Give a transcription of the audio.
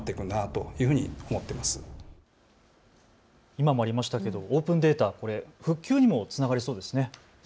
今もありましたけれどもオープンデータ、復旧にもつながりそうですね。